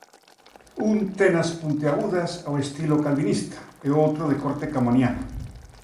un tenas punteagudas ao estilo calvinista e o outro de corte camoniano.